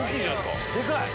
でかい！